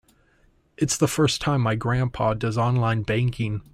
It's the first time my grandpa does online banking.